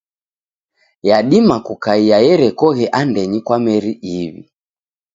Yadima kukaia erekoghe andenyi kwa meri iw'i.